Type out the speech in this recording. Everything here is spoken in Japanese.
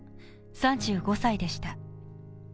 ３５歳でした。